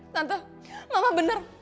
tante mama benar